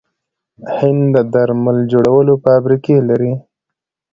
هند د درملو جوړولو فابریکې لري.